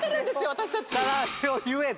私たち。